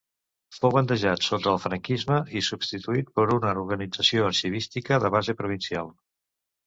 Fou bandejat sota el franquisme i substituït per una organització arxivística de base provincial.